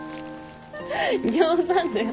冗談だよ。